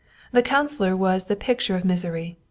The councilor was the picture of misery.